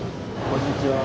こんにちは。